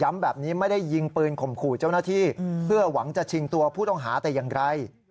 แบบนี้ไม่ได้ยิงปืนข่มขู่เจ้าหน้าที่เพื่อหวังจะชิงตัวผู้ต้องหาแต่อย่างไร